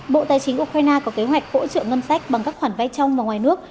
bộ tài chính ukraine có kế hoạch hỗ trợ ngân sách bằng các khoản vay trong và ngoài nước